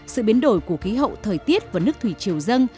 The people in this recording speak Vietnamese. sự biến đổi của khí hậu thời tiết và nước thủy triều dân